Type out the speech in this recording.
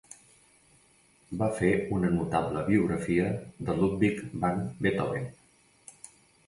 Va fer una notable biografia de Ludwig van Beethoven.